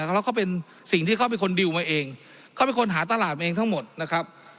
แล้วเขาเป็นสิ่งที่เขาเป็นคนดิวมาเองเขาเป็นคนหาตลาดมาเองทั้งหมดนะครับ